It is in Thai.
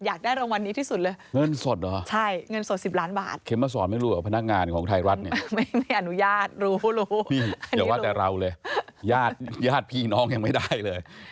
ญาติพี่น้องยังไม่ได้เลย